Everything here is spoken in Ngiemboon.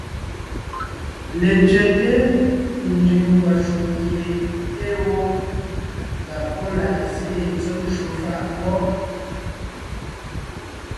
Letsẅɛ́te nzẅìŋ ngwàshùm gie ée wó, mbà pɔ́ laa zíʼi tsɔ̌ ncwò fàʼ wɔ́.